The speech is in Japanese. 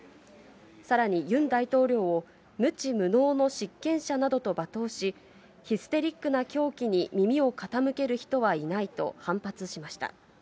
さらにユン大統領を無知無能の執権者などと罵倒し、ヒステリックな狂気に耳を傾ける人はいないと反発しました。